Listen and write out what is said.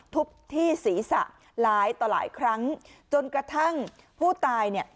ทุบที่ศีรษะหลายต่อหลายครั้งจนกระทั่งผู้ตายเนี่ย